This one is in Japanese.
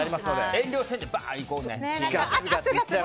遠慮せんでバーっていこうね。